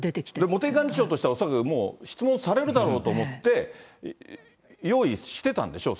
茂木幹事長としては恐らく、もう質問されるだろうと思って用意してたんでしょう。